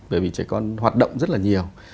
bởi vì trẻ con hoạt động rất là nhiều